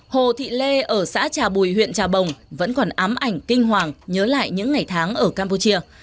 hồ thị lê ở xã trà bùi huyện trà bồng vẫn còn ám ảnh kinh hoàng nhớ lại những ngày tháng ở campuchia